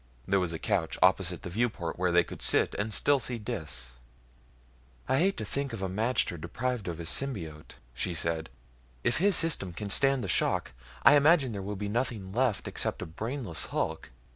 There was a couch opposite the viewport where they could sit and still see Dis. "I hate to think of a magter deprived of his symbiote," she said. "If his system can stand the shock, I imagine there will be nothing left except a brainless hulk.